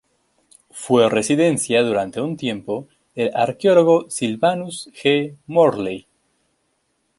Fue residencia durante un tiempo del arqueólogo Sylvanus G. Morley.